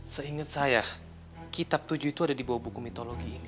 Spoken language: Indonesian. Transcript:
seingat saya kitab tujuh itu ada di bawah buku mitologi ini